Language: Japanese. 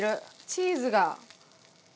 チーズが。